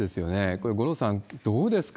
これ、五郎さん、どうですか？